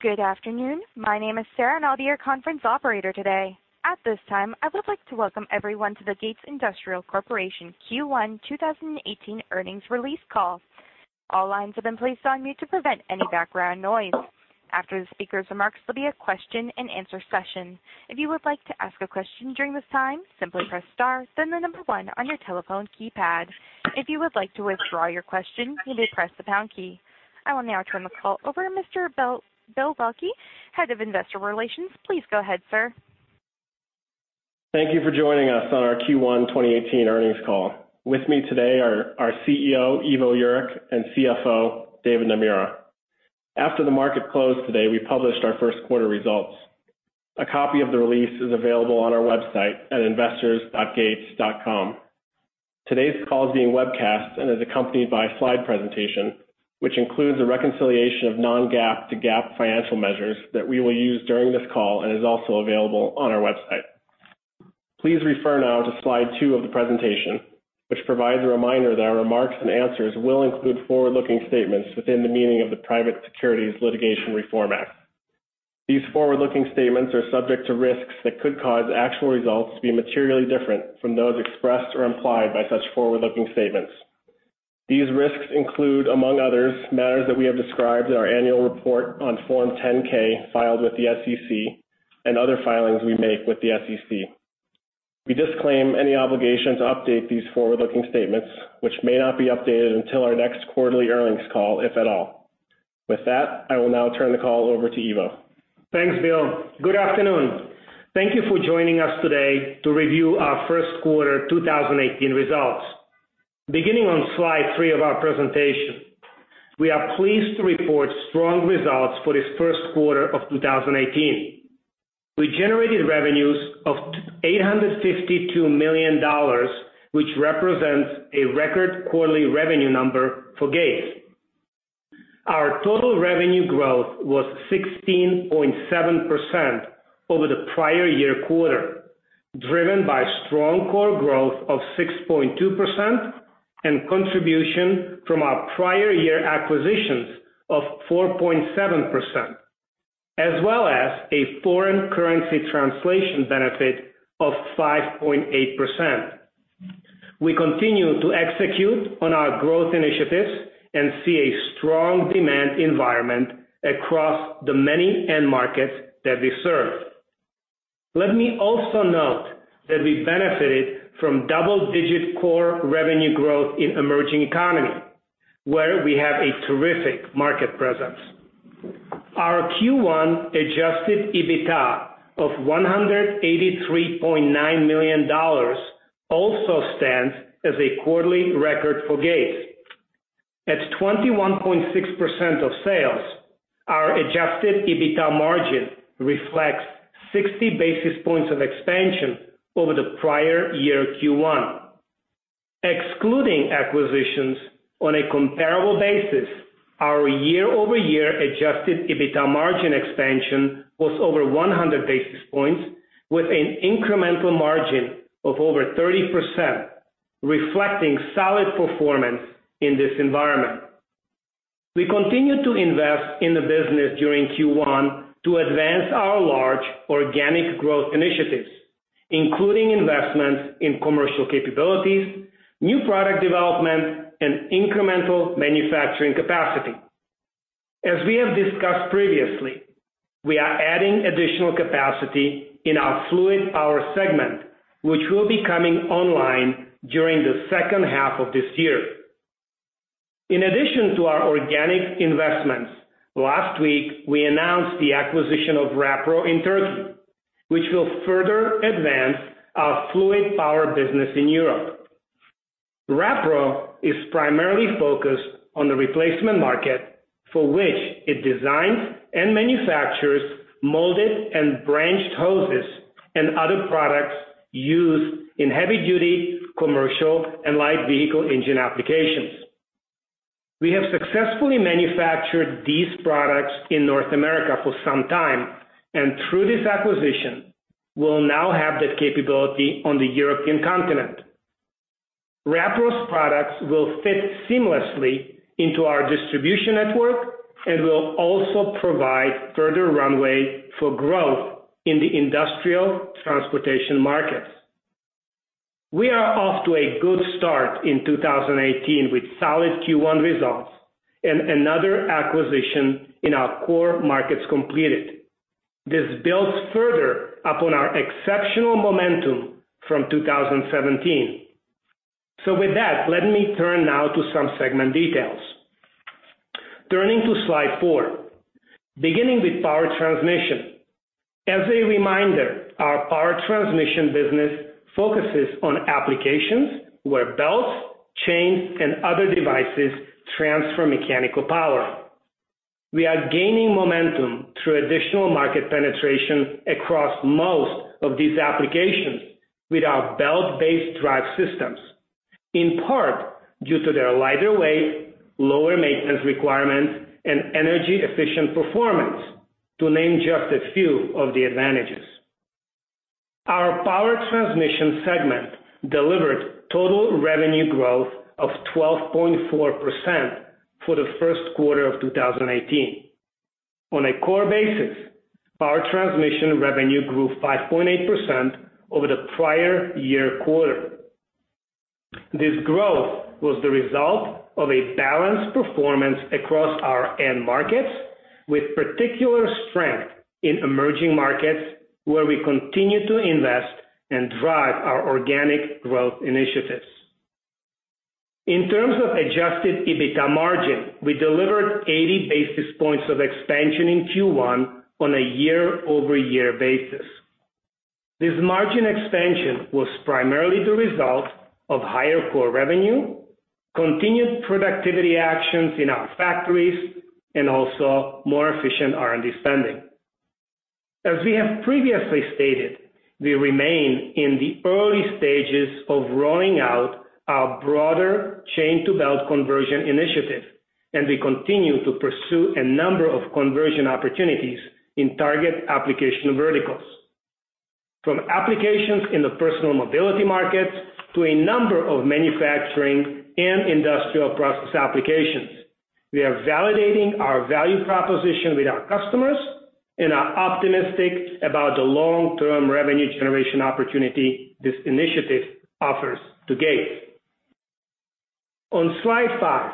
Good afternoon. My name is Sarah, and I'll be your conference operator today. At this time, I would like to welcome everyone to the Gates Industrial Corporation Q1 2018 Earnings Release Call. All lines have been placed on mute to prevent any background noise. After the speaker's remarks, there'll be a question-and-answer session. If you would like to ask a question during this time, simply press star, then the number one on your telephone keypad. If you would like to withdraw your question, you may press the pound key. I will now turn the call over to Mr. Bill, Bill Waelke, Head of Investor Relations. Please go ahead, sir. Thank you for joining us on our Q1 2018 earnings call. With me today are our CEO, Ivo Jurek, and CFO, David Naemura. After the market closed today, we published our first quarter results. A copy of the release is available on our website at investors.gates.com. Today's call is being webcast and is accompanied by a slide presentation, which includes a reconciliation of non-GAAP to GAAP financial measures that we will use during this call and is also available on our website. Please refer now to slide two of the presentation, which provides a reminder that our remarks and answers will include forward-looking statements within the meaning of the Private Securities Litigation Reform Act. These forward-looking statements are subject to risks that could cause actual results to be materially different from those expressed or implied by such forward-looking statements. These risks include, among others, matters that we have described in our annual report on Form 10-K filed with the SEC and other filings we make with the SEC. We disclaim any obligation to update these forward-looking statements, which may not be updated until our next quarterly earnings call, if at all. With that, I will now turn the call over to Ivo. Thanks, Bill. Good afternoon. Thank you for joining us today to review our first quarter 2018 results. Beginning on slide three of our presentation, we are pleased to report strong results for this first quarter of 2018. We generated revenues of $852 million, which represents a record quarterly revenue number for Gates. Our total revenue growth was 16.7% over the prior year quarter, driven by strong core growth of 6.2% and contribution from our prior year acquisitions of 4.7%, as well as a foreign currency translation benefit of 5.8%. We continue to execute on our growth initiatives and see a strong demand environment across the many end markets that we serve. Let me also note that we benefited from double-digit core revenue growth in emerging economies, where we have a terrific market presence. Our Q1 adjusted EBITDA of $183.9 million also stands as a quarterly record for Gates. At 21.6% of sales, our adjusted EBITDA margin reflects 60 basis points of expansion over the prior year Q1. Excluding acquisitions on a comparable basis, our year-over-year adjusted EBITDA margin expansion was over 100 basis points, with an incremental margin of over 30%, reflecting solid performance in this environment. We continue to invest in the business during Q1 to advance our large organic growth initiatives, including investments in commercial capabilities, new product development, and incremental manufacturing capacity. As we have discussed previously, we are adding additional capacity in our fluid power segment, which will be coming online during the second half of this year. In addition to our organic investments, last week we announced the acquisition of Rapro in Turkey, which will further advance our fluid power business in Europe. Rapro is primarily focused on the replacement market, for which it designs and manufactures molded and branched hoses and other products used in heavy-duty commercial and light vehicle engine applications. We have successfully manufactured these products in North America for some time, and through this acquisition, we'll now have that capability on the European continent. Rapro's products will fit seamlessly into our distribution network and will also provide further runway for growth in the industrial transportation markets. We are off to a good start in 2018 with solid Q1 results and another acquisition in our core markets completed. This builds further upon our exceptional momentum from 2017. Let me turn now to some segment details. Turning to slide four, beginning with power transmission. As a reminder, our power transmission business focuses on applications where belts, chains, and other devices transfer mechanical power. We are gaining momentum through additional market penetration across most of these applications with our belt-based drive systems, in part due to their lighter weight, lower maintenance requirements, and energy-efficient performance, to name just a few of the advantages. Our power transmission segment delivered total revenue growth of 12.4% for the first quarter of 2018. On a core basis, power transmission revenue grew 5.8% over the prior year quarter. This growth was the result of a balanced performance across our end markets, with particular strength in emerging markets where we continue to invest and drive our organic growth initiatives. In terms of adjusted EBITDA margin, we delivered 80 basis points of expansion in Q1 on a year-over-year basis. This margin expansion was primarily the result of higher core revenue, continued productivity actions in our factories, and also more efficient R&D spending. As we have previously stated, we remain in the early stages of rolling out our broader chain-to-belt conversion initiative, and we continue to pursue a number of conversion opportunities in target application verticals. From applications in the personal mobility markets to a number of manufacturing and industrial process applications, we are validating our value proposition with our customers and are optimistic about the long-term revenue generation opportunity this initiative offers to Gates. On slide five,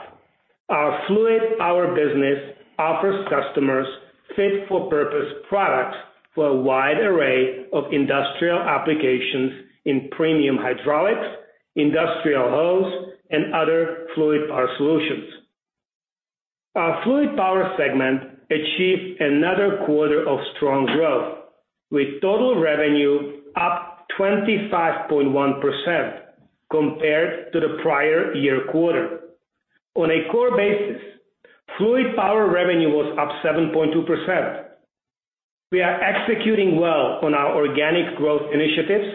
our fluid power business offers customers fit-for-purpose products for a wide array of industrial applications in premium hydraulics, industrial hose, and other fluid power solutions. Our fluid power segment achieved another quarter of strong growth, with total revenue up 25.1% compared to the prior year quarter. On a core basis, fluid power revenue was up 7.2%. We are executing well on our organic growth initiatives.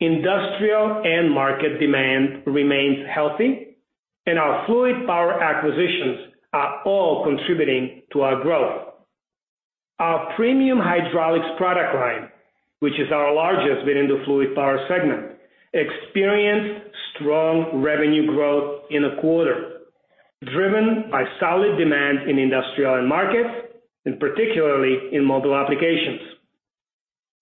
Industrial and market demand remains healthy, and our fluid power acquisitions are all contributing to our growth. Our premium hydraulics product line, which is our largest within the fluid power segment, experienced strong revenue growth in a quarter, driven by solid demand in industrial and markets, and particularly in mobile applications.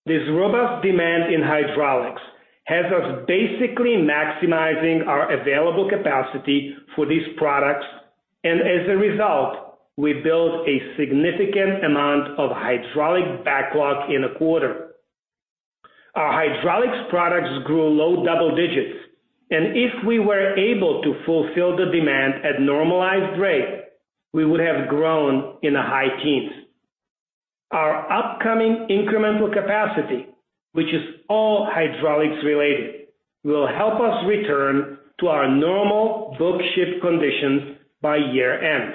This robust demand in hydraulics has us basically maximizing our available capacity for these products, and as a result, we built a significant amount of hydraulic backlog in a quarter. Our hydraulics products grew low double digits, and if we were able to fulfill the demand at normalized rate, we would have grown in the high teens. Our upcoming incremental capacity, which is all hydraulics related, will help us return to our normal book and ship conditions by year-end.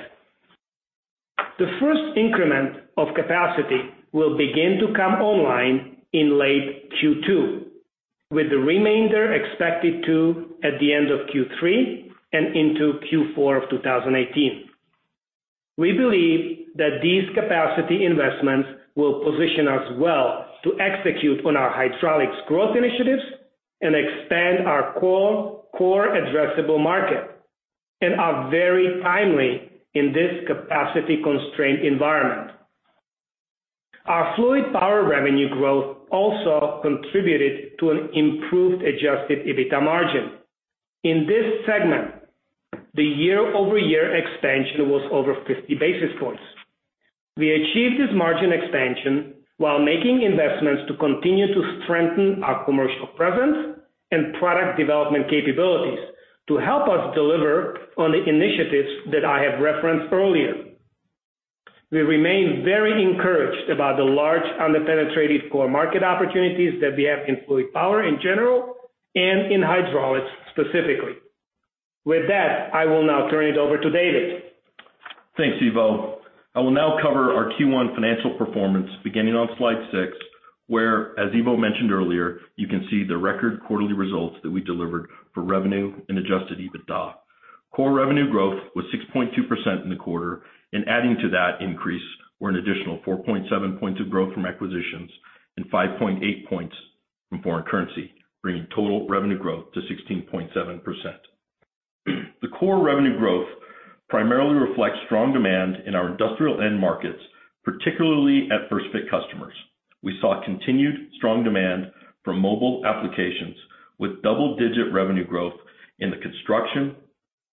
The first increment of capacity will begin to come online in late Q2, with the remainder expected to at the end of Q3 and into Q4 of 2018. We believe that these capacity investments will position us well to execute on our hydraulics growth initiatives and expand our core addressable market, and are very timely in this capacity-constrained environment. Our fluid power revenue growth also contributed to an improved adjusted EBITDA margin. In this segment, the year-over-year expansion was over 50 basis points. We achieved this margin expansion while making investments to continue to strengthen our commercial presence and product development capabilities to help us deliver on the initiatives that I have referenced earlier. We remain very encouraged about the large underpenetrated core market opportunities that we have in fluid power in general and in hydraulics specifically. With that, I will now turn it over to David. Thanks, Ivo. I will now cover our Q1 financial performance, beginning on slide six, where, as Ivo mentioned earlier, you can see the record quarterly results that we delivered for revenue and adjusted EBITDA. Core revenue growth was 6.2% in the quarter, and adding to that increase were an additional 4.7 points of growth from acquisitions and 5.8 points from foreign currency, bringing total revenue growth to 16.7%. The core revenue growth primarily reflects strong demand in our industrial end markets, particularly at first-fit customers. We saw continued strong demand for mobile applications with double-digit revenue growth in the construction,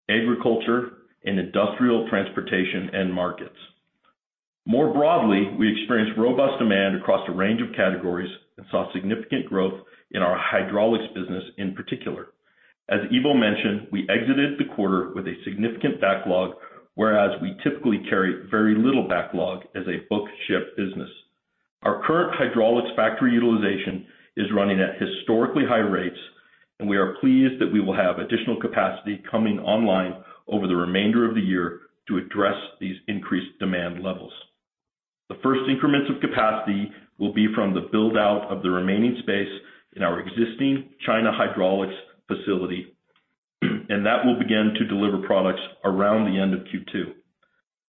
agriculture, and industrial transportation end markets. More broadly, we experienced robust demand across a range of categories and saw significant growth in our hydraulics business in particular. As Ivo mentioned, we exited the quarter with a significant backlog, whereas we typically carry very little backlog as a book and ship business. Our current hydraulics factory utilization is running at historically high rates, and we are pleased that we will have additional capacity coming online over the remainder of the year to address these increased demand levels. The first increments of capacity will be from the build-out of the remaining space in our existing China hydraulics facility, and that will begin to deliver products around the end of Q2.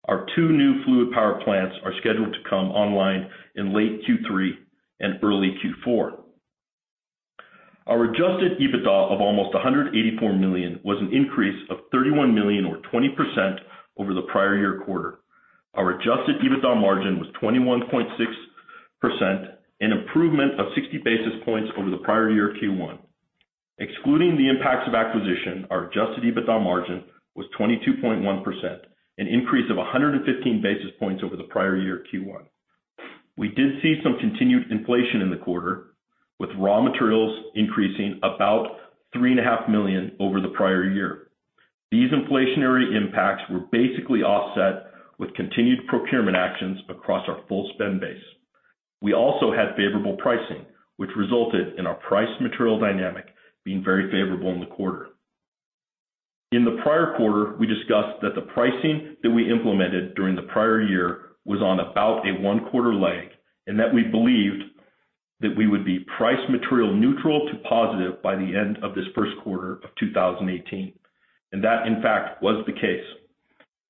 Our two new fluid power plants are scheduled to come online in late Q3 and early Q4. Our adjusted EBITDA of almost $184 million was an increase of $31 million, or 20%, over the prior year quarter. Our adjusted EBITDA margin was 21.6%, an improvement of 60 basis points over the prior year Q1. Excluding the impacts of acquisition, our adjusted EBITDA margin was 22.1%, an increase of 115 basis points over the prior year Q1. We did see some continued inflation in the quarter, with raw materials increasing about $3.5 million over the prior year. These inflationary impacts were basically offset with continued procurement actions across our full spend base. We also had favorable pricing, which resulted in our price material dynamic being very favorable in the quarter. In the prior quarter, we discussed that the pricing that we implemented during the prior year was on about a one-quarter lag, and that we believed that we would be price material neutral to positive by the end of this first quarter of 2018. That, in fact, was the case.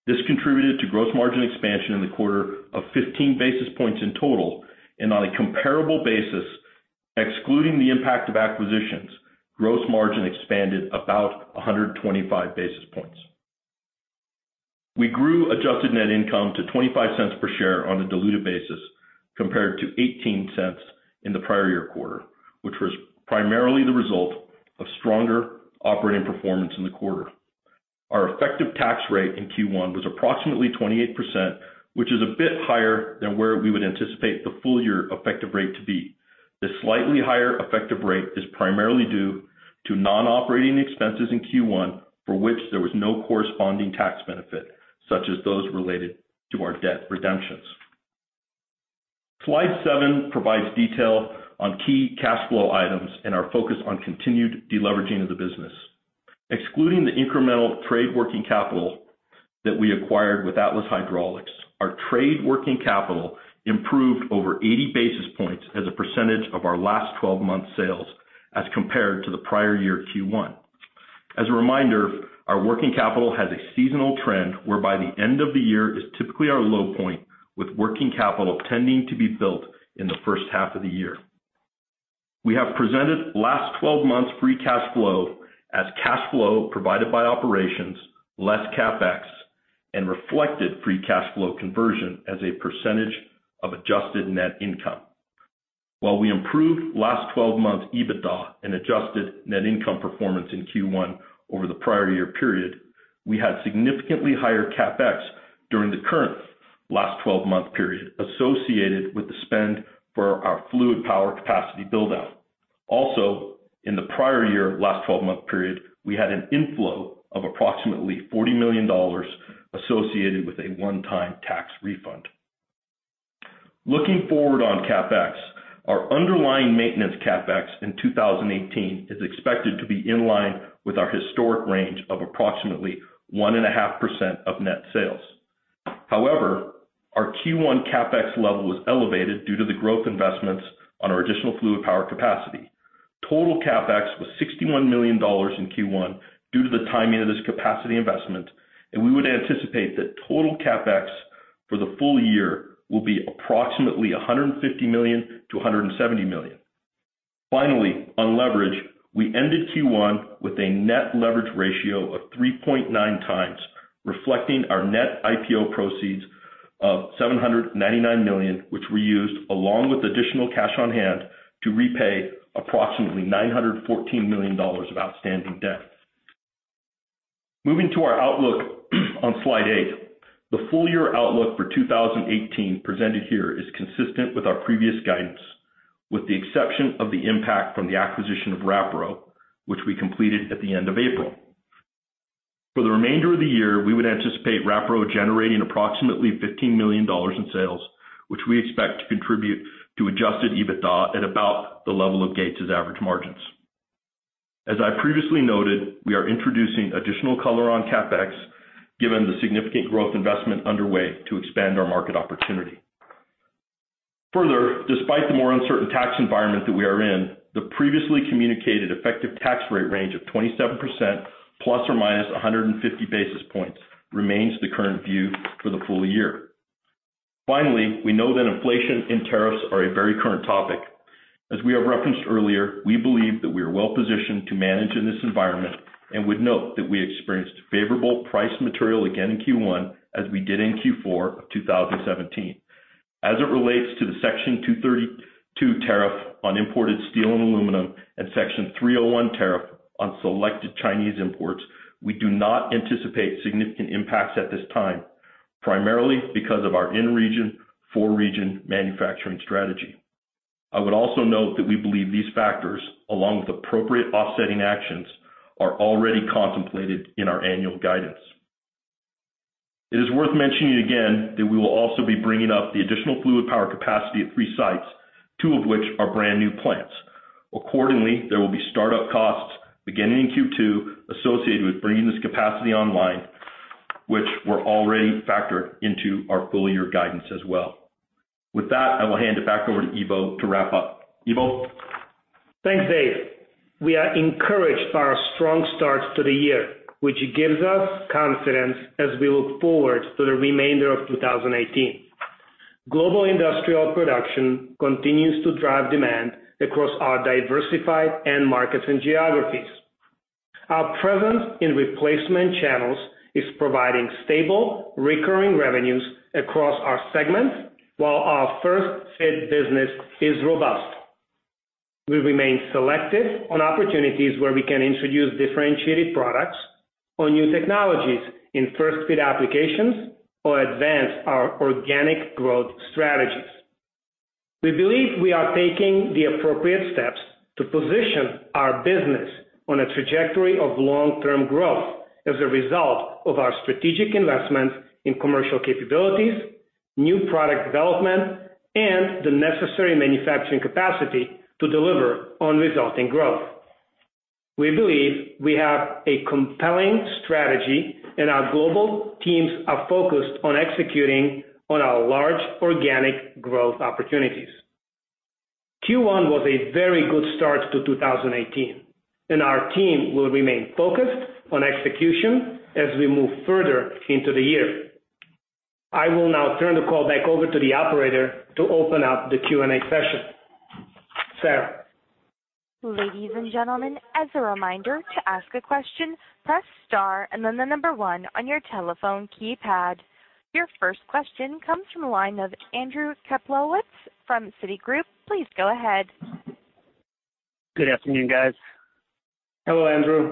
This contributed to gross margin expansion in the quarter of 15 basis points in total, and on a comparable basis, excluding the impact of acquisitions, gross margin expanded about 125 basis points. We grew adjusted net income to $0.25 per share on a diluted basis compared to $0.18 in the prior year quarter, which was primarily the result of stronger operating performance in the quarter. Our effective tax rate in Q1 was approximately 28%, which is a bit higher than where we would anticipate the full year effective rate to be. The slightly higher effective rate is primarily due to non-operating expenses in Q1 for which there was no corresponding tax benefit, such as those related to our debt redemptions. Slide seven provides detail on key cash flow items and our focus on continued deleveraging of the business. Excluding the incremental trade working capital that we acquired with Atlas Hydraulics, our trade working capital improved over 80 basis points as a percentage of our last 12-month sales as compared to the prior year Q1. As a reminder, our working capital has a seasonal trend whereby the end of the year is typically our low point, with working capital tending to be built in the first half of the year. We have presented last 12 months free cash flow as cash flow provided by operations, less CapEx, and reflected free cash flow conversion as a percentage of adjusted net income. While we improved last 12 months EBITDA and adjusted net income performance in Q1 over the prior year period, we had significantly higher CapEx during the current last 12-month period associated with the spend for our fluid power capacity build-out. Also, in the prior year last 12-month period, we had an inflow of approximately $40 million associated with a one-time tax refund. Looking forward on CapEx, our underlying maintenance CapEx in 2018 is expected to be in line with our historic range of approximately 1.5% of net sales. However, our Q1 CapEx level was elevated due to the growth investments on our additional fluid power capacity. Total CapEx was $61 million in Q1 due to the timing of this capacity investment, and we would anticipate that total CapEx for the full year will be approximately $150 million - $170 million. Finally, on leverage, we ended Q1 with a net leverage ratio of 3.9x, reflecting our net IPO proceeds of $799 million, which we used along with additional cash on hand to repay approximately $914 million of outstanding debt. Moving to our outlook on slide eight, the full year outlook for 2018 presented here is consistent with our previous guidance, with the exception of the impact from the acquisition of Rapro, which we completed at the end of April. For the remainder of the year, we would anticipate Rapro generating approximately $15 million in sales, which we expect to contribute to adjusted EBITDA at about the level of Gates' average margins. As I previously noted, we are introducing additional color on CapEx given the significant growth investment underway to expand our market opportunity. Further, despite the more uncertain tax environment that we are in, the previously communicated effective tax rate range of 27%± 150 basis points remains the current view for the full year. Finally, we know that inflation and tariffs are a very current topic. As we have referenced earlier, we believe that we are well positioned to manage in this environment and would note that we experienced favorable price material again in Q1 as we did in Q4 of 2017. As it relates to the Section 232 tariff on imported steel and aluminum and Section 301 tariff on selected Chinese imports, we do not anticipate significant impacts at this time, primarily because of our in-region, for-region manufacturing strategy. I would also note that we believe these factors, along with appropriate offsetting actions, are already contemplated in our annual guidance. It is worth mentioning again that we will also be bringing up the additional fluid power capacity at three sites, two of which are brand new plants. Accordingly, there will be startup costs beginning in Q2 associated with bringing this capacity online, which were already factored into our full year guidance as well. With that, I will hand it back over to Ivo to wrap up. Ivo. Thanks, Dave. We are encouraged by our strong start to the year, which gives us confidence as we look forward to the remainder of 2018. Global industrial production continues to drive demand across our diversified end markets and geographies. Our presence in replacement channels is providing stable, recurring revenues across our segments, while our first-fit business is robust. We remain selective on opportunities where we can introduce differentiated products, or new technologies in first-fit applications, or advance our organic growth strategies. We believe we are taking the appropriate steps to position our business on a trajectory of long-term growth as a result of our strategic investments in commercial capabilities, new product development, and the necessary manufacturing capacity to deliver on resulting growth. We believe we have a compelling strategy, and our global teams are focused on executing on our large organic growth opportunities. Q1 was a very good start to 2018, and our team will remain focused on execution as we move further into the year. I will now turn the call back over to the operator to open up the Q&A session. Sarah. Ladies and gentlemen, as a reminder, to ask a question, press star and then the number one on your telephone keypad. Your first question comes from the line of Andrew Kaplowitz from Citigroup. Please go ahead. Good afternoon, guys. Hello, Andrew.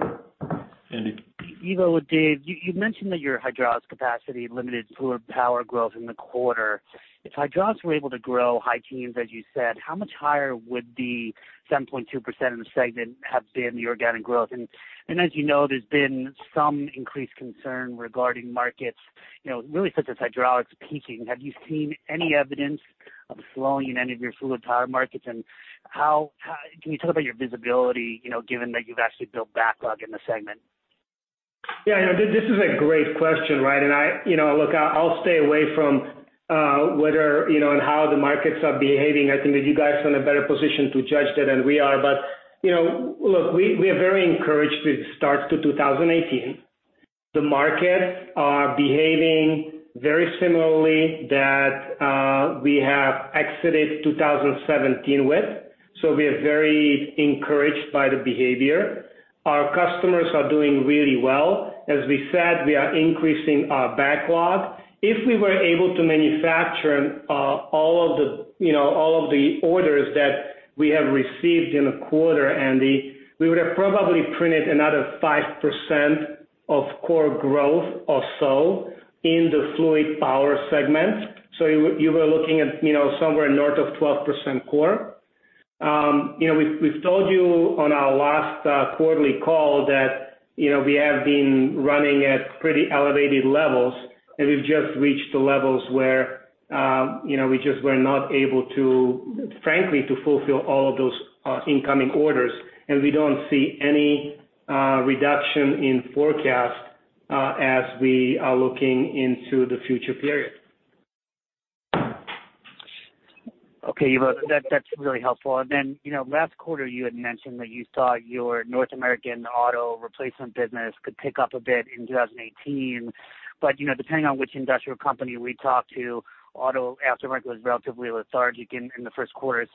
Andy. Ivo, Dave, you mentioned that your hydraulics capacity limited fluid power growth in the quarter. If hydraulics were able to grow high teens, as you said, how much higher would the 7.2% in the segment have been the organic growth? As you know, there's been some increased concern regarding markets, really such as hydraulics peaking. Have you seen any evidence of slowing in any of your fluid power markets? Can you talk about your visibility, given that you've actually built backlog in the segment? Yeah, this is a great question, right? Look, I'll stay away from whether and how the markets are behaving. I think that you guys are in a better position to judge that than we are. Look, we are very encouraged with the start to 2018. The markets are behaving very similarly to that we have exited 2017 with. We are very encouraged by the behavior. Our customers are doing really well. As we said, we are increasing our backlog. If we were able to manufacture all of the orders that we have received in a quarter, Andy, we would have probably printed another 5% of core growth or so in the fluid power segment. You were looking at somewhere north of 12% core. We've told you on our last quarterly call that we have been running at pretty elevated levels, and we've just reached the levels where we just were not able to, frankly, to fulfill all of those incoming orders. We don't see any reduction in forecast as we are looking into the future period. Okay, Ivo, that's really helpful. Then last quarter, you had mentioned that you thought your North American auto replacement business could pick up a bit in 2018. Depending on which industrial company we talk to, auto aftermarket was relatively lethargic in the first quarter.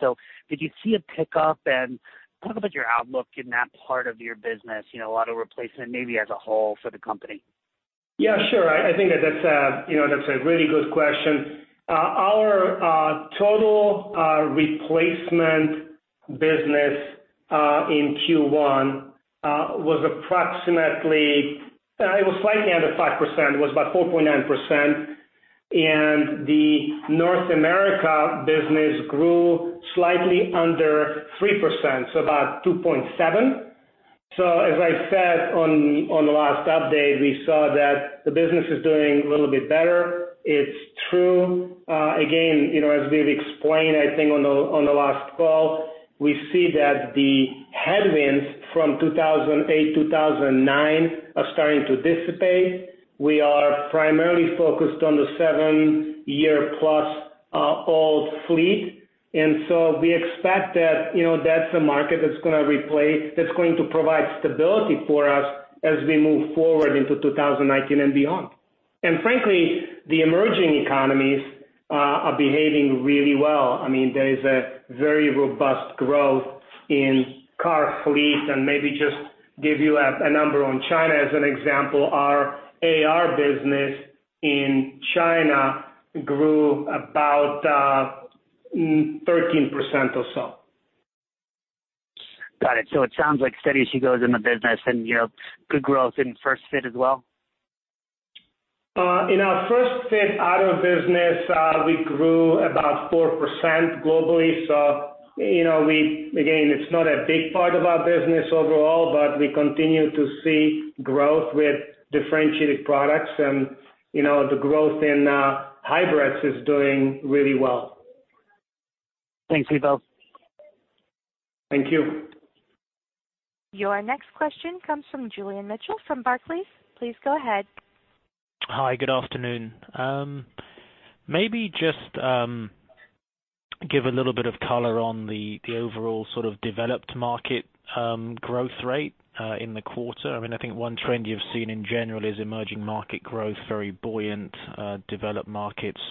Did you see a pickup? Talk about your outlook in that part of your business, auto replacement maybe as a whole for the company. Yeah, sure. I think that that's a really good question. Our total replacement business in Q1 was approximately, it was slightly under 5%. It was about 4.9%. The North America business grew slightly under 3%, so about 2.7%. As I said on the last update, we saw that the business is doing a little bit better. It's true. Again, as we've explained, I think on the last call, we see that the headwinds from 2008, 2009 are starting to dissipate. We are primarily focused on the seven-year-plus old fleet. We expect that that's a market that's going to replay, that's going to provide stability for us as we move forward into 2019 and beyond. Frankly, the emerging economies are behaving really well. I mean, there is a very robust growth in car fleets. Maybe just give you a number on China as an example. Our AR business in China grew about 13% or so. Got it. It sounds like steady shigos in the business and good growth in first fit as well. In our first-fit auto business, we grew about 4% globally. It is not a big part of our business overall, but we continue to see growth with differentiated products. The growth in hybrids is doing really well. Thanks, Ivo. Thank you. Your next question comes from Julian Mitchell from Barclays. Please go ahead. Hi, good afternoon. Maybe just give a little bit of color on the overall sort of developed market growth rate in the quarter. I mean, I think one trend you've seen in general is emerging market growth very buoyant, developed markets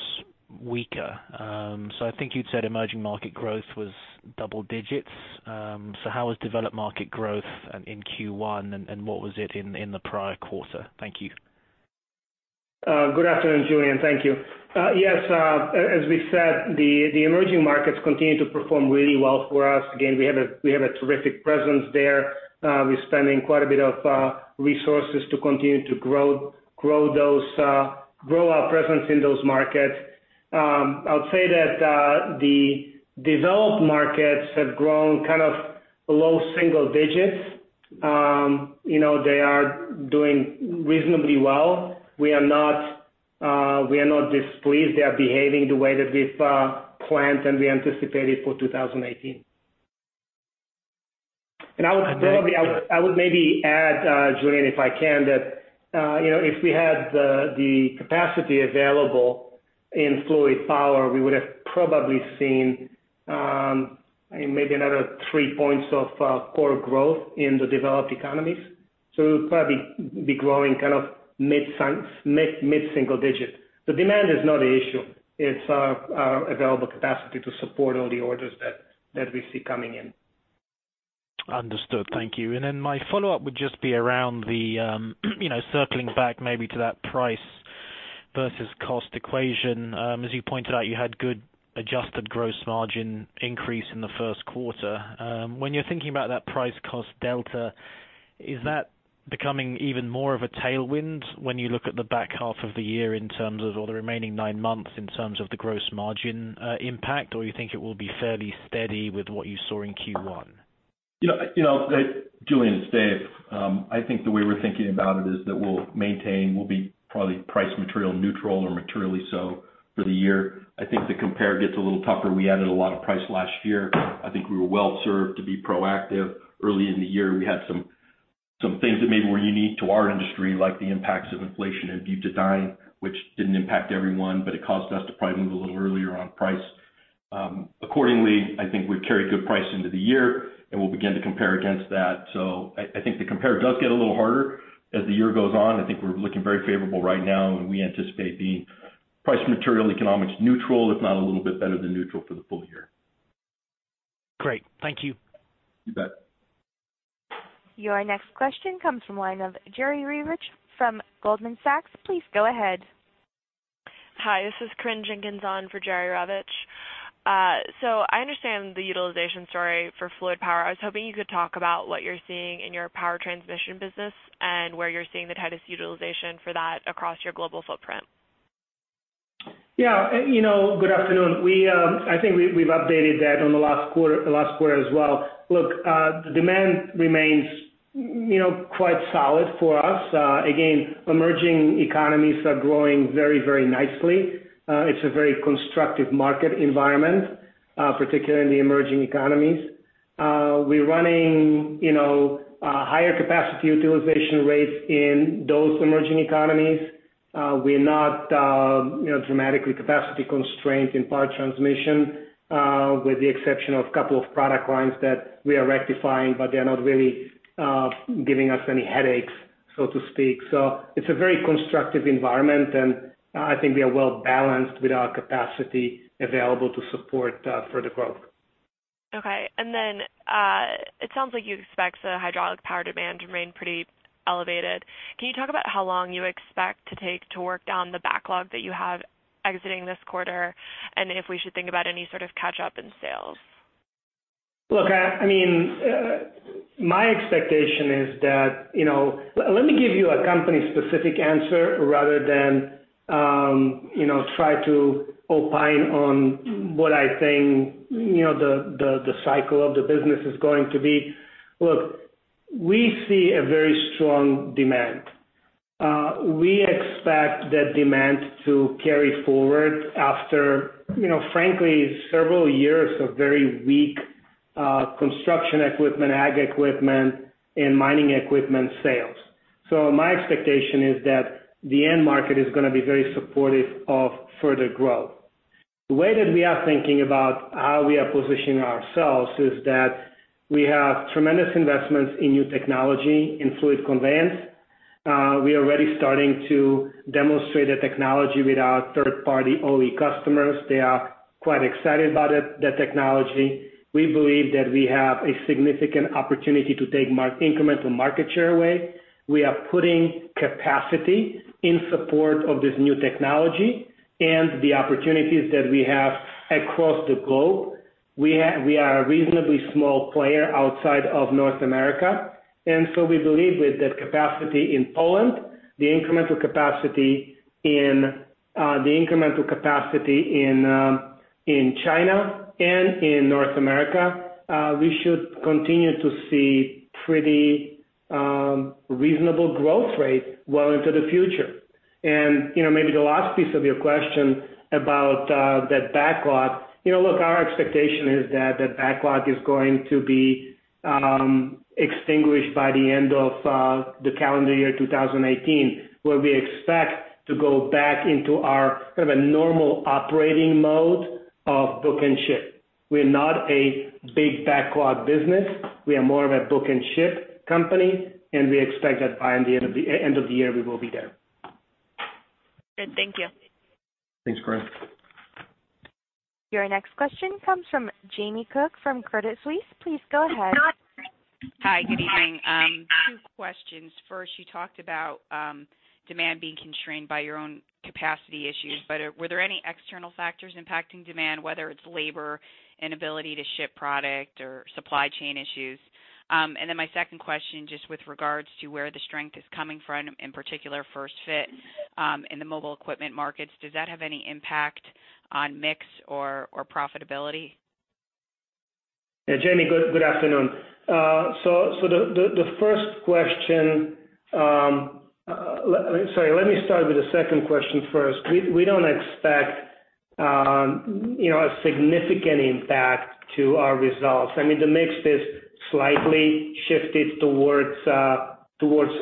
weaker. I think you'd said emerging market growth was double digits. How was developed market growth in Q1, and what was it in the prior quarter? Thank you. Good afternoon, Julian. Thank you. Yes, as we said, the emerging markets continue to perform really well for us. Again, we have a terrific presence there. We're spending quite a bit of resources to continue to grow our presence in those markets. I would say that the developed markets have grown kind of below single digits. They are doing reasonably well. We are not displeased. They are behaving the way that we've planned and we anticipated for 2018. I would maybe add, Julian, if I can, that if we had the capacity available in fluid power, we would have probably seen maybe another three points of core growth in the developed economies. We would probably be growing kind of mid-single digit. The demand is not an issue. It's our available capacity to support all the orders that we see coming in. Understood. Thank you. My follow-up would just be around the circling back maybe to that price versus cost equation. As you pointed out, you had good adjusted gross margin increase in the first quarter. When you're thinking about that price-cost delta, is that becoming even more of a tailwind when you look at the back half of the year in terms of all the remaining nine months in terms of the gross margin impact, or do you think it will be fairly steady with what you saw in Q1? Julian it's Dave, I think the way we're thinking about it is that we'll maintain, we'll be probably price material neutral or materially so for the year. I think the compare gets a little tougher. We added a lot of price last year. I think we were well served to be proactive. Early in the year, we had some things that maybe were unique to our industry, like the impacts of inflation and due to dying, which didn't impact everyone, but it caused us to probably move a little earlier on price. Accordingly, I think we've carried good price into the year, and we'll begin to compare against that. I think the compare does get a little harder as the year goes on. I think we're looking very favorable right now, and we anticipate being price material economics neutral, if not a little bit better than neutral for the full year. Great. Thank you. You bet. Your next question comes from the line of Jerry Rovich from Goldman Sachs. Please go ahead. Hi, this is Corinne Jenkins on for Jerry Rovich. I understand the utilization story for fluid power. I was hoping you could talk about what you're seeing in your power transmission business and where you're seeing the tightest utilization for that across your global footprint. Yeah. Good afternoon. I think we've updated that on the last quarter as well. Look, the demand remains quite solid for us. Again, emerging economies are growing very, very nicely. It's a very constructive market environment, particularly in the emerging economies. We're running higher capacity utilization rates in those emerging economies. We're not dramatically capacity constrained in power transmission, with the exception of a couple of product lines that we are rectifying, but they are not really giving us any headaches, so to speak. It is a very constructive environment, and I think we are well balanced with our capacity available to support further growth. Okay. It sounds like you expect the hydraulic power demand to remain pretty elevated. Can you talk about how long you expect to take to work down the backlog that you have exiting this quarter and if we should think about any sort of catch-up in sales? Look, I mean, my expectation is that let me give you a company-specific answer rather than try to opine on what I think the cycle of the business is going to be. Look, we see a very strong demand. We expect that demand to carry forward after, frankly, several years of very weak construction equipment, ag equipment, and mining equipment sales. My expectation is that the end market is going to be very supportive of further growth. The way that we are thinking about how we are positioning ourselves is that we have tremendous investments in new technology in fluid conveyance. We are already starting to demonstrate the technology with our third-party OE customers. They are quite excited about the technology. We believe that we have a significant opportunity to take incremental market share away. We are putting capacity in support of this new technology and the opportunities that we have across the globe. We are a reasonably small player outside of North America. We believe with that capacity in Poland, the incremental capacity in China and in North America, we should continue to see pretty reasonable growth rates well into the future. Maybe the last piece of your question about that backlog, look, our expectation is that that backlog is going to be extinguished by the end of the calendar year 2018, where we expect to go back into our kind of normal operating mode of book and ship. We are not a big backlog business. We are more of a book and ship company, and we expect that by the end of the year, we will be there. Good. Thank you. Thanks, Corinne. Your next question comes from Jamie Cook from Credit Suisse. Please go ahead. Hi, good evening. Two questions. First, you talked about demand being constrained by your own capacity issues, but were there any external factors impacting demand, whether it's labor, inability to ship product, or supply chain issues? My second question, just with regards to where the strength is coming from, in particular, first fit in the mobile equipment markets, does that have any impact on mix or profitability? Yeah, Jamie, good afternoon. The first question, sorry, let me start with the second question first. We do not expect a significant impact to our results. I mean, the mix is slightly shifted towards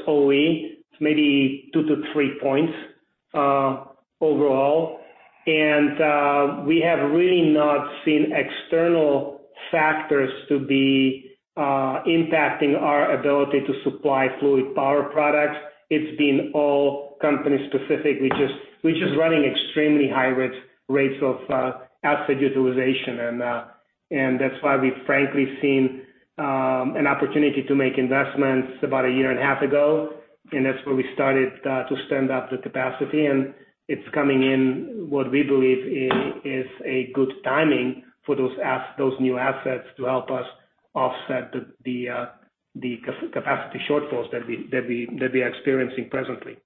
OE, maybe two to three points overall. I mean, we have really not seen external factors to be impacting our ability to supply fluid power products. It has been all company-specific. We are just running extremely high rates of asset utilization, and that is why we have frankly seen an opportunity to make investments about a year and a half ago. That is where we started to stand up the capacity. It is coming in what we believe is good timing for those new assets to help us offset the capacity shortfalls that we are experiencing presently.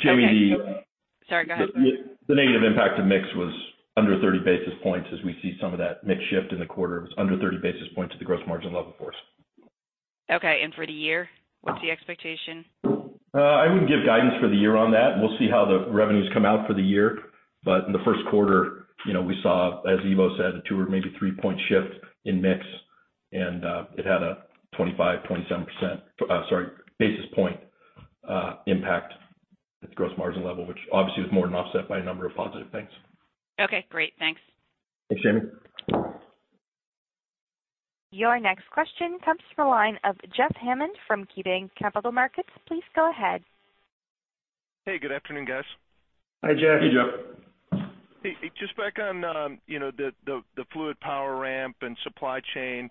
Jamie, the. Sorry, go ahead. The negative impact of mix was under 30 basis points as we see some of that mix shift in the quarter. It was under 30 basis points at the gross margin level, of course. Okay. For the year, what's the expectation? I wouldn't give guidance for the year on that. We'll see how the revenues come out for the year. In the first quarter, we saw, as Ivo said, a two or maybe three-point shift in mix, and it had a 25%, 27% sorry, basis point impact at the gross margin level, which obviously was more than offset by a number of positive things. Okay. Great. Thanks. Thanks, Jamie. Your next question comes from a line of Jeff Hammond from KeyBanc Capital Markets. Please go ahead. Hey, good afternoon, guys. Hi, Jeff. Hey, Jeff. Hey, just back on the fluid power ramp and supply chain,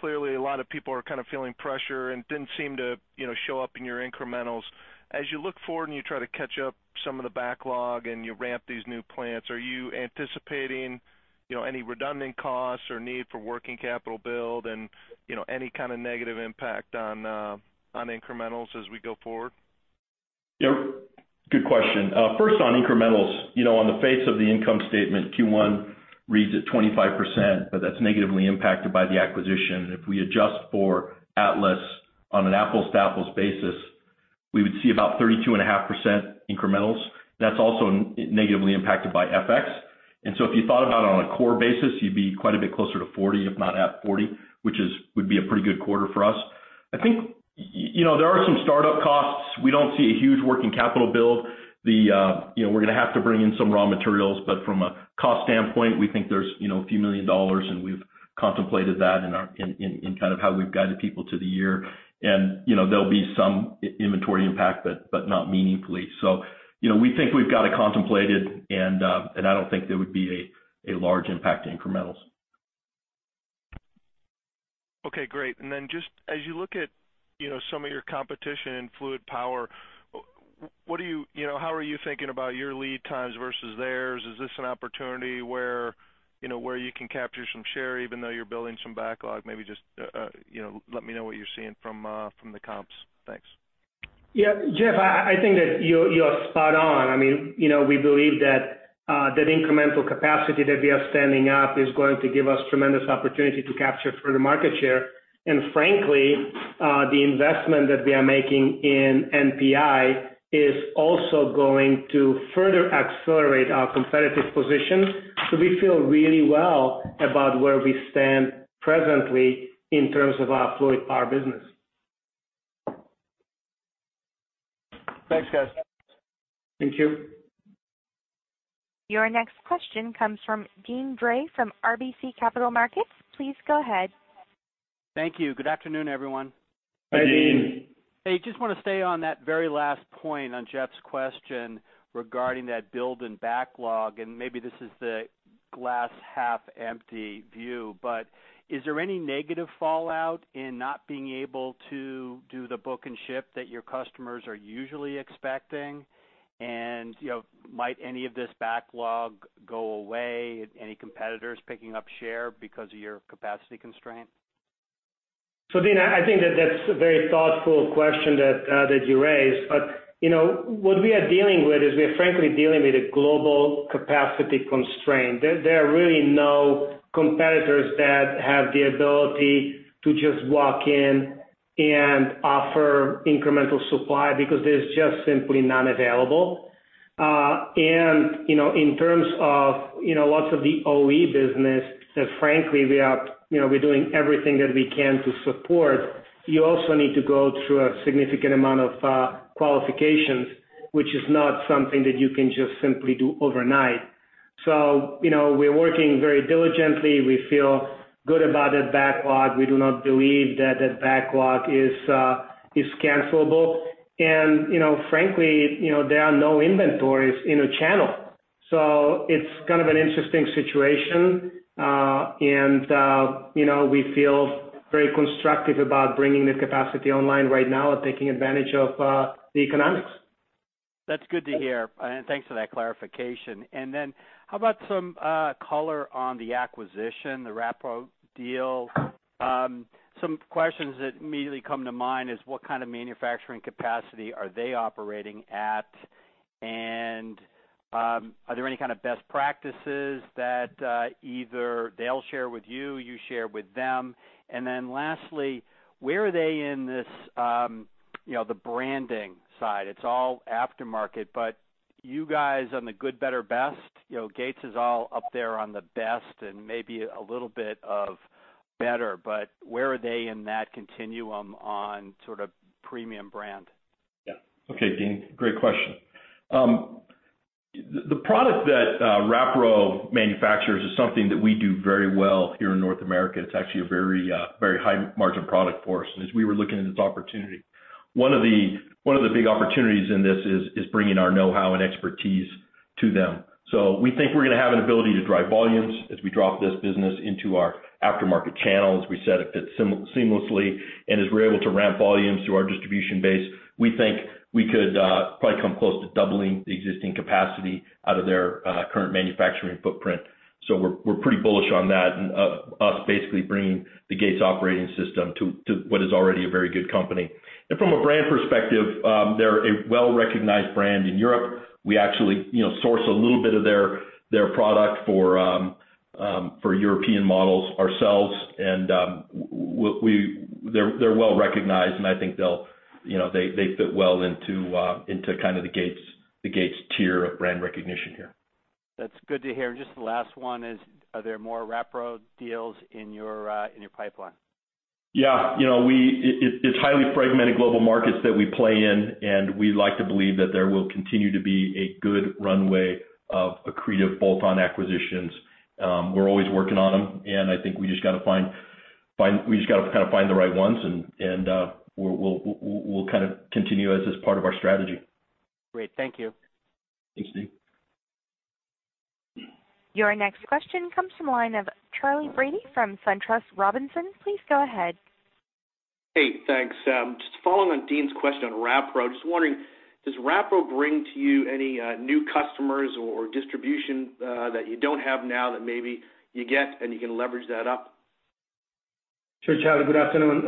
clearly, a lot of people are kind of feeling pressure and didn't seem to show up in your incrementals. As you look forward and you try to catch up some of the backlog and you ramp these new plants, are you anticipating any redundant costs or need for working capital build and any kind of negative impact on incrementals as we go forward? Yep. Good question. First, on incrementals, on the face of the income statement, Q1 reads at 25%, but that's negatively impacted by the acquisition. If we adjust for Atlas on an apples-to-apples basis, we would see about 32.5% incrementals. That's also negatively impacted by FX. If you thought about it on a core basis, you'd be quite a bit closer to 40%, if not at 40%, which would be a pretty good quarter for us. I think there are some startup costs. We don't see a huge working capital build. We're going to have to bring in some raw materials, but from a cost standpoint, we think there's a few million dollars, and we've contemplated that in kind of how we've guided people to the year. There'll be some inventory impact, but not meaningfully. We think we've got it contemplated, and I don't think there would be a large impact to incrementals. Okay. Great. Just as you look at some of your competition in fluid power, what do you how are you thinking about your lead times versus theirs? Is this an opportunity where you can capture some share even though you're building some backlog? Maybe just let me know what you're seeing from the comps. Thanks. Yeah, Jeff, I think that you're spot on. I mean, we believe that that incremental capacity that we are standing up is going to give us tremendous opportunity to capture further market share. Frankly, the investment that we are making in NPI is also going to further accelerate our competitive position. We feel really well about where we stand presently in terms of our fluid power business. Thanks, guys. Thank you. Your next question comes from Dean Drake from RBC Capital Markets. Please go ahead. Thank you. Good afternoon, everyone. Hey, Dean. Hey, just want to stay on that very last point on Jeff's question regarding that build and backlog. Maybe this is the glass half-empty view, but is there any negative fallout in not being able to do the book and ship that your customers are usually expecting? Might any of this backlog go away? Any competitors picking up share because of your capacity constraint? Dean, I think that that's a very thoughtful question that you raise. What we are dealing with is we are frankly dealing with a global capacity constraint. There are really no competitors that have the ability to just walk in and offer incremental supply because there's just simply none available. In terms of lots of the OE business that frankly we are doing everything that we can to support, you also need to go through a significant amount of qualifications, which is not something that you can just simply do overnight. We're working very diligently. We feel good about that backlog. We do not believe that that backlog is cancelable. Frankly, there are no inventories in a channel. It's kind of an interesting situation, and we feel very constructive about bringing the capacity online right now and taking advantage of the economics. That's good to hear. Thanks for that clarification. How about some color on the acquisition, the Rapro deal? Some questions that immediately come to mind are what kind of manufacturing capacity are they operating at? Are there any kind of best practices that either they'll share with you or you share with them? Lastly, where are they on the branding side? It's all aftermarket, but you guys are on the good, better, best. Gates is all up there on the best and maybe a little bit of better, but where are they in that continuum on sort of premium brand? Yeah. Okay, Dean. Great question. The product that Rapro manufactures is something that we do very well here in North America. It's actually a very high-margin product for us. As we were looking at this opportunity, one of the big opportunities in this is bringing our know-how and expertise to them. We think we're going to have an ability to drive volumes as we drop this business into our aftermarket channels, as we said, if it fits seamlessly. As we're able to ramp volumes through our distribution base, we think we could probably come close to doubling the existing capacity out of their current manufacturing footprint. We're pretty bullish on that, us basically bringing the Gates operating system to what is already a very good company. From a brand perspective, they're a well-recognized brand in Europe. We actually source a little bit of their product for European models ourselves. They are well-recognized, and I think they fit well into kind of the Gates tier of brand recognition here. That's good to hear. Just the last one is, are there more Rapro deals in your pipeline? Yeah. It's highly fragmented global markets that we play in, and we like to believe that there will continue to be a good runway of accretive bolt-on acquisitions. We're always working on them, and I think we just got to find the right ones, and we'll kind of continue as part of our strategy. Great. Thank you. Thanks, Dean. Your next question comes from a line of Charlie Brady from SunTrust Robinson Humphrey. Please go ahead. Hey, thanks. Just following on Dean's question on Rapro, just wondering, does Rapro bring to you any new customers or distribution that you don't have now that maybe you get and you can leverage that up? Sure, Charlie. Good afternoon.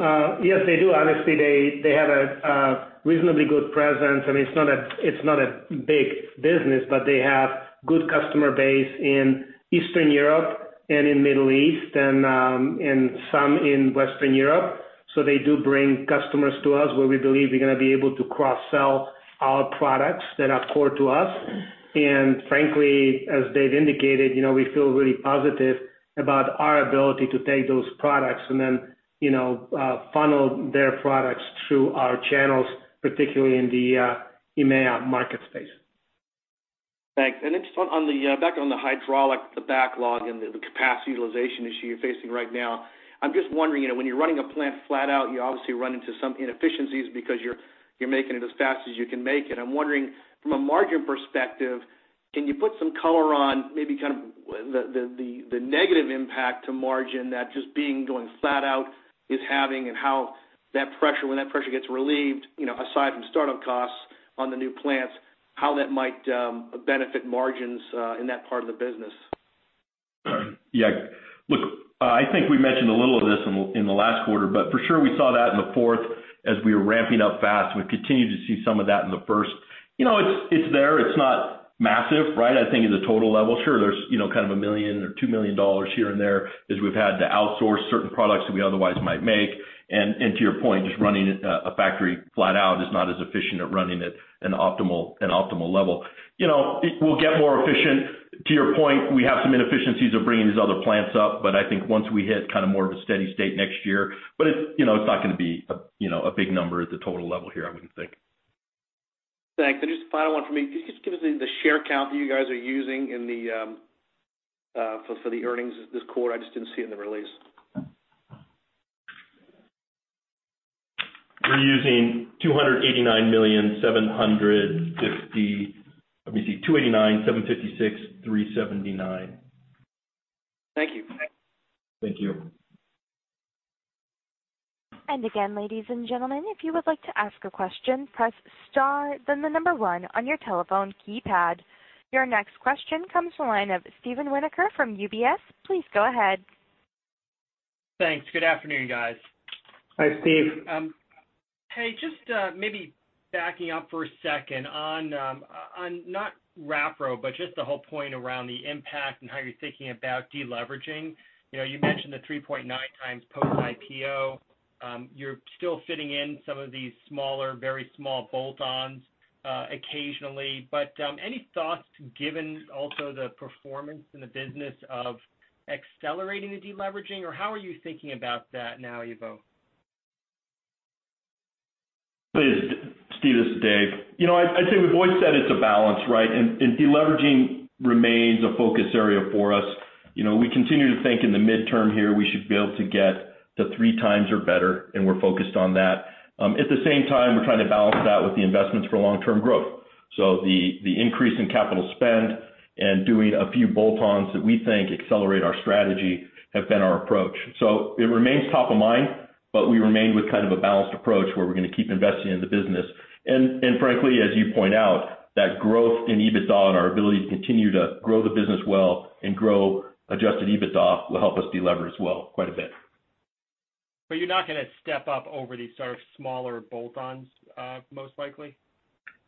Yes, they do. Obviously, they have a reasonably good presence. I mean, it's not a big business, but they have a good customer base in Eastern Europe and in the Middle East and some in Western Europe. They do bring customers to us where we believe we're going to be able to cross-sell our products that are core to us. Frankly, as they've indicated, we feel really positive about our ability to take those products and then funnel their products through our channels, particularly in the EMEA market space. Thanks. Just on the background of the hydraulic, the backlog, and the capacity utilization issue you're facing right now, I'm just wondering, when you're running a plant flat out, you obviously run into some inefficiencies because you're making it as fast as you can make it. I'm wondering, from a margin perspective, can you put some color on maybe kind of the negative impact to margin that just being going flat out is having and how that pressure, when that pressure gets relieved, aside from startup costs on the new plants, how that might benefit margins in that part of the business? Yeah. Look, I think we mentioned a little of this in the last quarter, but for sure, we saw that in the fourth as we were ramping up fast. We've continued to see some of that in the first. It's there. It's not massive, right? I think at the total level, sure, there's kind of a million or two million dollars here and there as we've had to outsource certain products that we otherwise might make. To your point, just running a factory flat out is not as efficient as running it at an optimal level. We'll get more efficient. To your point, we have some inefficiencies of bringing these other plants up, but I think once we hit kind of more of a steady state next year, it's not going to be a big number at the total level here, I wouldn't think. Thanks. Just the final one for me. Could you just give us the share count that you guys are using for the earnings this quarter? I just did not see it in the release. We're using 289,750. Let me see. 289,756,379. Thank you. Thank you. Again, ladies and gentlemen, if you would like to ask a question, press star, then the number one on your telephone keypad. Your next question comes from a line of Steven Winoker from UBS. Please go ahead. Thanks. Good afternoon, guys. Hi, Steve. Hey, just maybe backing up for a second on not Rapro, but just the whole point around the impact and how you're thinking about deleveraging. You mentioned the 3.9x post-IPO. You're still fitting in some of these smaller, very small bolt-ons occasionally. Any thoughts given also the performance in the business of accelerating the deleveraging, or how are you thinking about that now, Ivo? Steve, this is Dave. I'd say we've always said it's a balance, right? Deleveraging remains a focus area for us. We continue to think in the midterm here, we should be able to get to 3x or better, and we're focused on that. At the same time, we're trying to balance that with the investments for long-term growth. The increase in capital spend and doing a few bolt-ons that we think accelerate our strategy have been our approach. It remains top of mind, but we remain with kind of a balanced approach where we're going to keep investing in the business. Frankly, as you point out, that growth in EBITDA and our ability to continue to grow the business well and grow adjusted EBITDA will help us deleverage well quite a bit. You're not going to step up over these sort of smaller bolt-ons, most likely?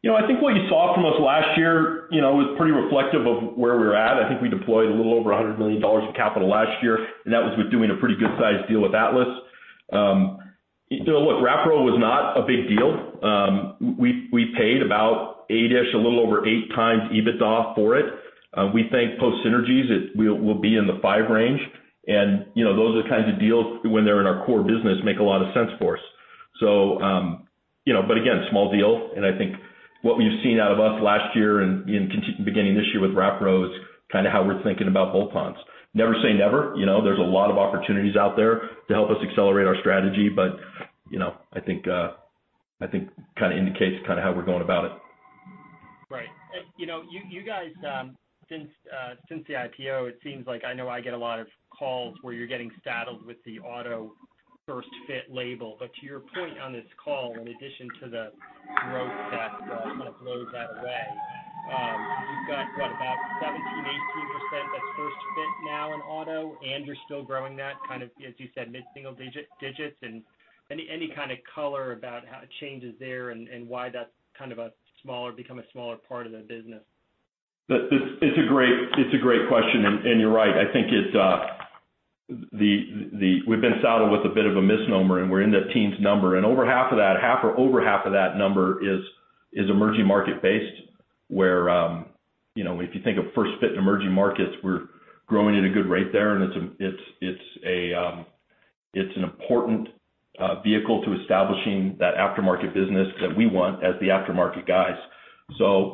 I think what you saw from us last year was pretty reflective of where we're at. I think we deployed a little over $100 million in capital last year, and that was with doing a pretty good-sized deal with Atlas. Look, Rapro was not a big deal. We paid about eight-ish, a little over eight times EBITDA for it. We think post-synergies, it will be in the five range. Those are the kinds of deals when they're in our core business make a lot of sense for us. Again, small deal. I think what we've seen out of us last year and beginning this year with Rapro is kind of how we're thinking about bolt-ons. Never say never. There's a lot of opportunities out there to help us accelerate our strategy, but I think kind of indicates kind of how we're going about it. Right. You guys, since the IPO, it seems like I know I get a lot of calls where you're getting saddled with the auto first-fit label. To your point on this call, in addition to the growth that kind of blows that away, you've got, what, about 17% - 18% that's first-fit now in auto, and you're still growing that kind of, as you said, mid-single digits. Any kind of color about changes there and why that's kind of become a smaller part of the business? It's a great question. You're right. I think we've been saddled with a bit of a misnomer, and we're in the teens number. Over half of that, half or over half of that number is emerging market-based, where if you think of first-fit in emerging markets, we're growing at a good rate there. It's an important vehicle to establishing that aftermarket business that we want as the aftermarket guys.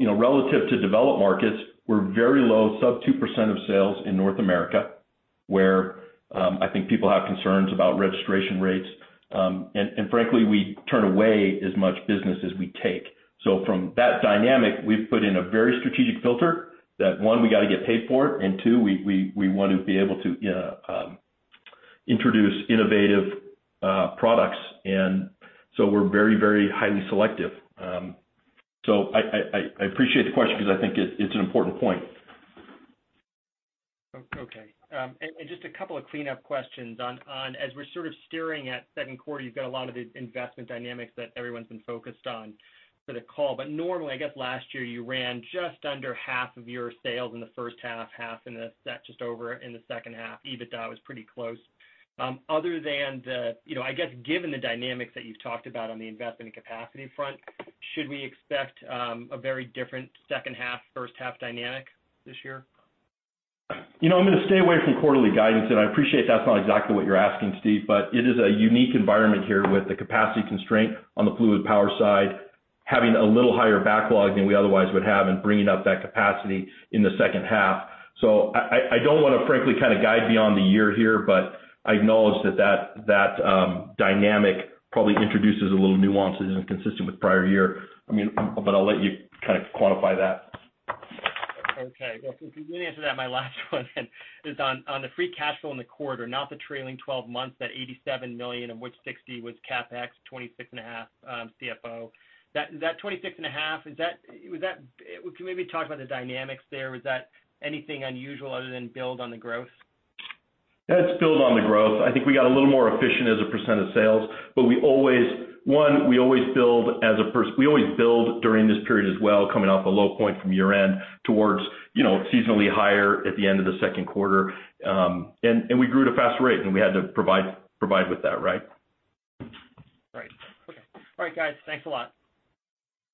Relative to developed markets, we're very low, sub 2% of sales in North America, where I think people have concerns about registration rates. Frankly, we turn away as much business as we take. From that dynamic, we've put in a very strategic filter that, one, we got to get paid for it, and two, we want to be able to introduce innovative products. We're very, very highly selective. I appreciate the question because I think it's an important point. Okay. And just a couple of cleanup questions. As we're sort of steering at second quarter, you've got a lot of the investment dynamics that everyone's been focused on for the call. Normally, I guess last year, you ran just under half of your sales in the first half, half in the just over in the second half. EBITDA was pretty close. Other than the, I guess, given the dynamics that you've talked about on the investment and capacity front, should we expect a very different second half, first half dynamic this year? I'm going to stay away from quarterly guidance, and I appreciate that's not exactly what you're asking, Steve, but it is a unique environment here with the capacity constraint on the fluid power side, having a little higher backlog than we otherwise would have and bringing up that capacity in the second half. I don't want to frankly kind of guide beyond the year here, but I acknowledge that that dynamic probably introduces a little nuances inconsistent with prior year. I mean, but I'll let you kind of quantify that. Okay. Yes. You did answer that. My last one is on the free cash flow in the quarter, not the trailing 12 months, that $87 million, of which $60 million was CapEx, $26.5 million CFO. That $26.5 million, was that can we maybe talk about the dynamics there? Was that anything unusual other than build on the growth? That's built on the growth. I think we got a little more efficient as a percent of sales, but we always build during this period as well, coming off a low point from year-end towards seasonally higher at the end of the second quarter. We grew at a faster rate, and we had to provide with that, right? Right. Okay.All right, guys. Thanks a lot.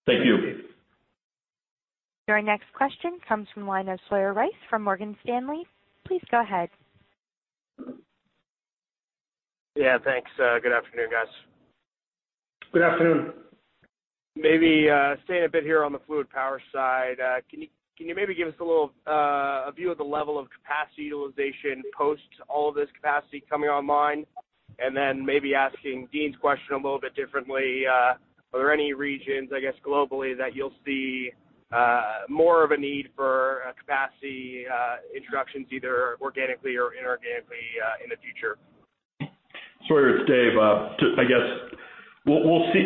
Thank you. Your next question comes from a line of Sawyer Rice from Morgan Stanley. Please go ahead. Yeah. Thanks. Good afternoon, guys. Good afternoon. Maybe staying a bit here on the fluid power side, can you maybe give us a little view of the level of capacity utilization post all of this capacity coming online? Then maybe asking Dean's question a little bit differently. Are there any regions, I guess, globally that you'll see more of a need for capacity introductions either organically or inorganically in the future? Dave, I guess we'll see.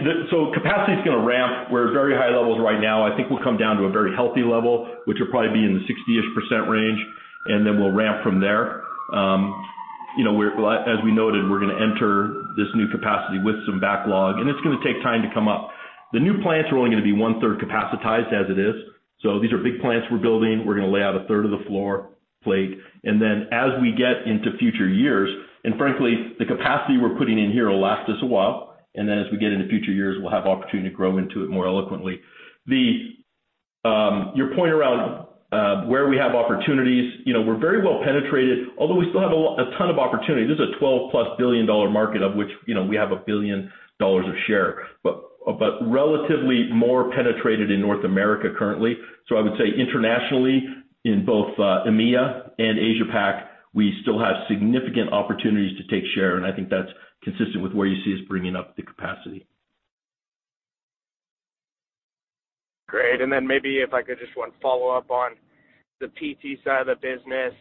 Capacity is going to ramp. We're at very high levels right now. I think we'll come down to a very healthy level, which will probably be in the 60% range, and then we'll ramp from there. As we noted, we're going to enter this new capacity with some backlog, and it's going to take time to come up. The new plants are only going to be one-third capacitized as it is. These are big plants we're building. We're going to lay out a third of the floor plate. As we get into future years, and frankly, the capacity we're putting in here will last us a while. As we get into future years, we'll have opportunity to grow into it more eloquently. Your point around where we have opportunities, we're very well penetrated, although we still have a ton of opportunity. This is a $12 billion + market, of which we have $1 billion of share, but relatively more penetrated in North America currently. I would say internationally, in both EMEA and Asia-Pacific, we still have significant opportunities to take share, and I think that's consistent with where you see us bringing up the capacity. Great. Maybe if I could just one follow-up on the PT side of the business,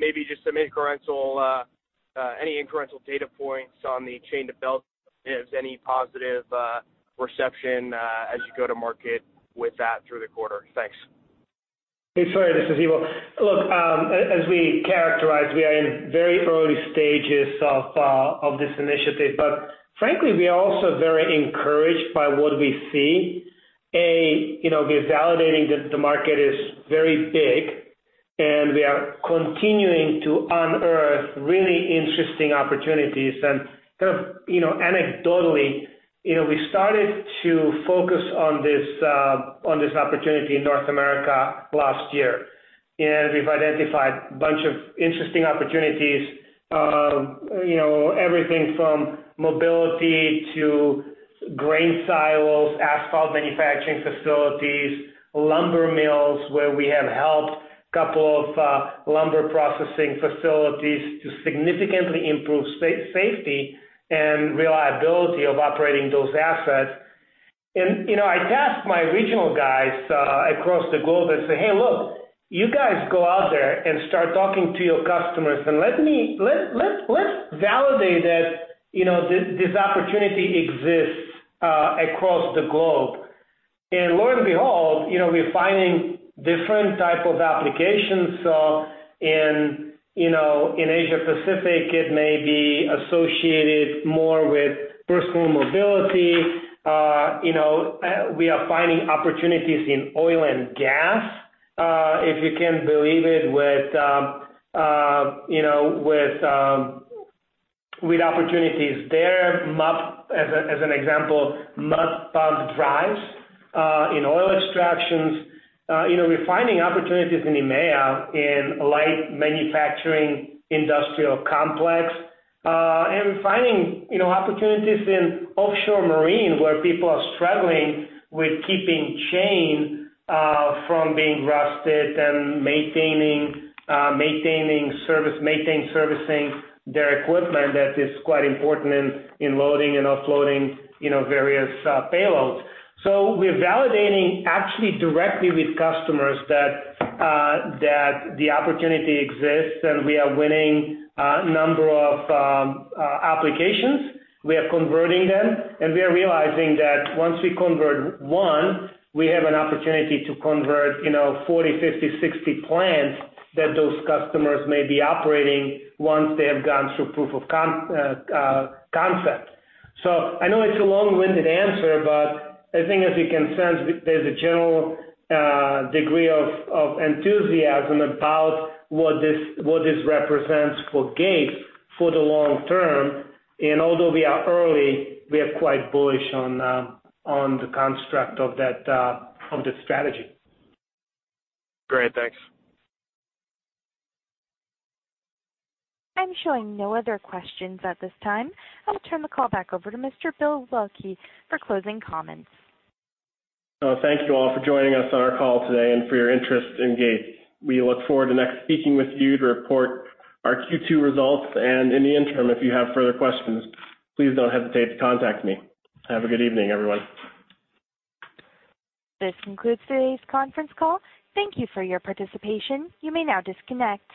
maybe just some incremental, any incremental data points on the chain development, if there's any positive reception as you go to market with that through the quarter. Thanks. Hey, Sawyer. This is Ivo. Look, as we characterize, we are in very early stages of this initiative, but frankly, we are also very encouraged by what we see. A, we're validating that the market is very big, and we are continuing to unearth really interesting opportunities. Kind of anecdotally, we started to focus on this opportunity in North America last year, and we've identified a bunch of interesting opportunities, everything from mobility to grain silos, asphalt manufacturing facilities, lumber mills where we have helped, a couple of lumber processing facilities to significantly improve safety and reliability of operating those assets. I tasked my regional guys across the globe and said, "Hey, look, you guys go out there and start talking to your customers, and let's validate that this opportunity exists across the globe." Lo and behold, we're finding different types of applications. In Asia-Pacific, it may be associated more with personal mobility. We are finding opportunities in oil and gas, if you can believe it, with opportunities there, as an example, mud pump drives in oil extractions. We are finding opportunities in EMEA in light manufacturing industrial complex, and we are finding opportunities in offshore marine where people are struggling with keeping chain from being rusted and maintaining servicing their equipment that is quite important in loading and offloading various payloads. We are validating actually directly with customers that the opportunity exists, and we are winning a number of applications. We are converting them, and we are realizing that once we convert one, we have an opportunity to convert 40-50-60 plants that those customers may be operating once they have gone through proof of concept. I know it's a long-winded answer, but I think as you can sense, there's a general degree of enthusiasm about what this represents for Gates for the long term. Although we are early, we are quite bullish on the construct of that strategy. Great. Thanks. I'm showing no other questions at this time. I'll turn the call back over to Mr. Bill Waelke for closing comments. Thank you all for joining us on our call today and for your interest in Gates. We look forward to next speaking with you to report our Q2 results. In the interim, if you have further questions, please do not hesitate to contact me. Have a good evening, everyone. This concludes today's conference call. Thank you for your participation. You may now disconnect.